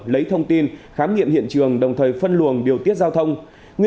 lấy thông tin khám nghiệm hiện trường đồng thời phân luồng điều tiết giao thông